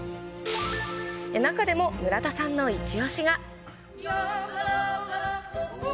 中でも村田さんの一押しが。